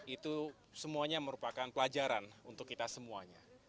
itu semuanya merupakan pelajaran untuk kita semuanya